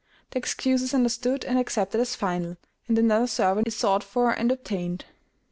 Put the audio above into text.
The excuse is understood and accepted as final, and another servant is sought for and obtained.